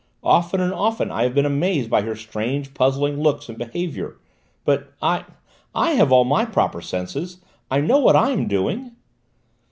Often and often I have been amazed by her strange, puzzling looks and behaviour! But I I have all my proper senses: I know what I am doing!"